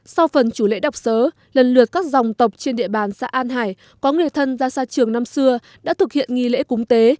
sau phần chủ lễ đọc sớ lần lượt các dòng tộc trên địa bàn xã an hải có người thân ra xa trường năm xưa đã thực hiện nghi lễ cúng tế